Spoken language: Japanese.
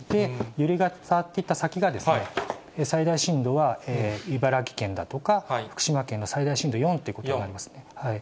揺れが伝わっていった先が、最大震度は茨城県だとか、福島県が最大震度４ということになりますね。